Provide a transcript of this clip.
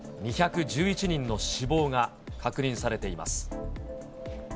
２１１人の死亡が確認されています。